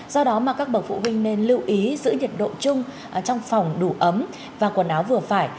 do đó mà các bậc phụ huynh nên lưu ý giữ nhiệt độ chung trong phòng đủ ấm và quần áo vừa phải